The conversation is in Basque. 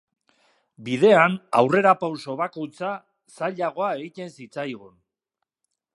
Bidean aurrerapauso bakoitza zailagoa egiten zitzaigun.